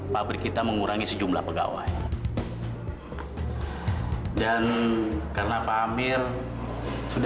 pabrik kita mengurangi sejumlah pegawai dan karena pak amir sudah hampir sepuluh tahun kerja di pabrik d a